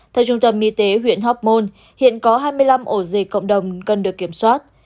theo trung tâm y tế huyện hóc môn hiện có hai mươi năm ổ dịch cộng đồng cần được kiểm soát